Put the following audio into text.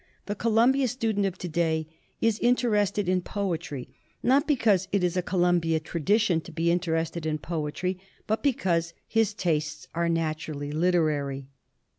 The Columbia student of to day is interested in poe try, not because it is a Columbia tradition to be interested in poetry, but because his tastes are naturally literary."